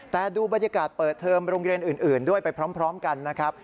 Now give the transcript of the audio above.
แต่ดูบรรยากาศเปิดเทอมโรงเรียนอื่นด้วยไปพร้อมกันนะครับ